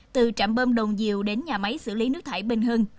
từ trạm bơm đồng diều đến nhà máy xử lý nước thải bình hưng